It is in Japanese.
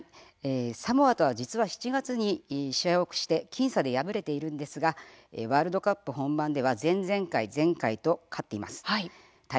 サモアとは実は７月に試合をして僅差で敗れているんですがワールドカップ本番では前々回、前回と勝っています。